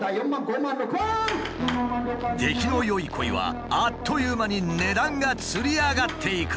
出来の良いコイはあっという間に値段がつり上がっていく。